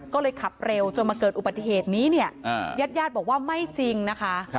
ก็เลยขับเร็วจนมาเกิดอุบัติเหตุนี้เนี่ยญาติญาติบอกว่าไม่จริงนะคะ